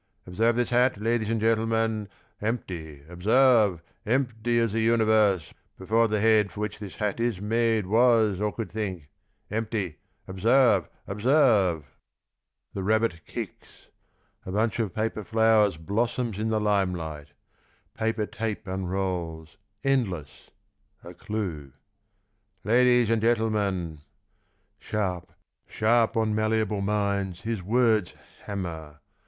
" Observe this hat, Ladies and gentlemen; Empty, observe, empty^^ the universe Before the Head for which this Hat is made Was, or could think. Empty — observe, observe. ..." c 33 Theatre of Varieties. The rabbit kicks; a bunch of paper flowers Blossoms in the HmeUght ; paper tape unrolls, Endless, a clue. " Ladies and gentlemen ...." Sharp, sharp on malleable minds his words Hammer.